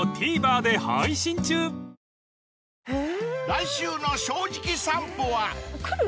［来週の『正直さんぽ』は］来る？